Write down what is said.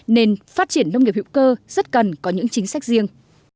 nên phát triển nông nghiệp hữu cơ rất cần có những chính sách riêng